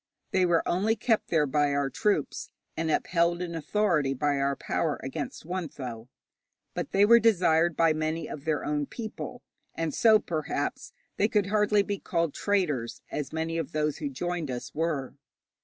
They were only kept there by our troops, and upheld in authority by our power against Wuntho. But they were desired by many of their own people, and so, perhaps, they could hardly be called traitors, as many of those who joined us were.